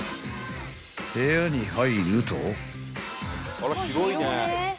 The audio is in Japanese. ［部屋に入ると］